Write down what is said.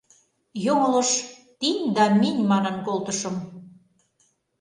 — Йоҥылыш «тинь» да «минь» манын колтышым.